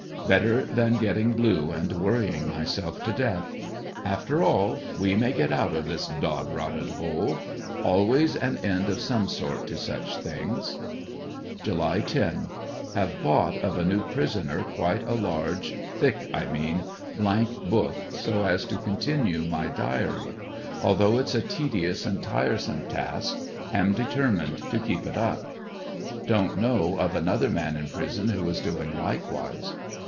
Better than getting blue and worrying myself to death. After all, we may get out of this dod rotted hole Always an end of some sort to such things. ANDERSONVILLE DIART. 81 July 10. — Have bought of a new prisoner quite a large (thick I mean,) blank book so as to continue my diary. Although it's a tedious and tiresome task, am determined to keep it up. Don't know of another man in prison who is doing likewise.